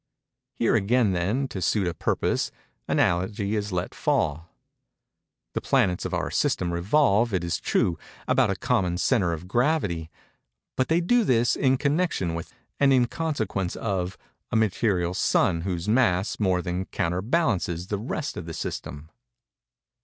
Here again then, to suit a purpose, analogy is let fall. The planets of our system revolve, it is true, about a common centre of gravity; but they do this in connexion with, and in consequence of, a material sun whose mass more than counterbalances the rest of the system.